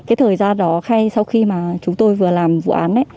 cái thời gian đó sau khi chúng tôi vừa làm vụ án